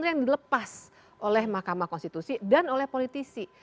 jadi itu pas oleh mahkamah konstitusi dan oleh politisi